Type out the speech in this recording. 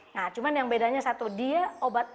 nah cuman yang bedanya satu dia obat